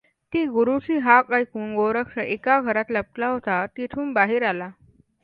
ती गुरूची हाक ऐकून गोरक्ष एका घरात लपला होता तेथून बाहेर आला.